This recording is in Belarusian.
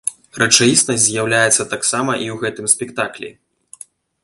Рэчаіснасць з'яўляецца таксама і ў гэтым спектаклі.